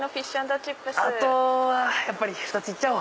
あとはやっぱり２つ行っちゃおう。